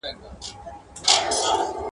پرون کاږه وو نن کاږه یو سبا نه سمیږو ..